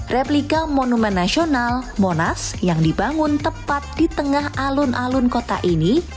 replika monumen nasional monas yang dibangun tepat di tengah alun alun kota ini